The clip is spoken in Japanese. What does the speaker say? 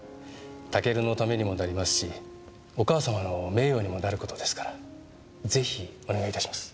タケルのためにもなりますしお母様の名誉にもなる事ですからぜひお願いいたします。